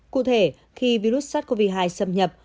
cụ thể khi virus sars cov hai xâm nhập